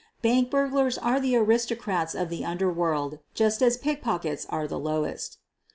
Bank burglars are the aristocrats of the underworld, just as pickpockets are the lowest.